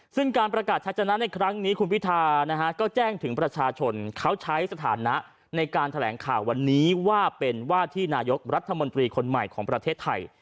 ซึ่งการประกาศชัดชนะในครั้งนี้คุณพิธานะฮะก็แจ้งถึงประชาชนเขาใช้สถานะในการแถลงข่าววันนี้ว่าเป็นว่าที่นายกรัฐมนตรีคนใหม่ของประเทศไทย